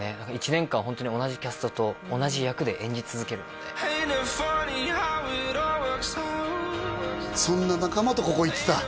１年間ホントに同じキャストと同じ役で演じ続けるのでそんな仲間とここ行ってた？